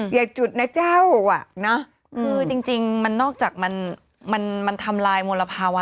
อย่าจุดนะเจ้าคือจริงมันนอกจากมันมันทำลายมลภาวะ